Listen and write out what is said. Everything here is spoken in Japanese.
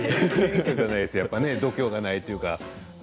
僕は度胸がないというか。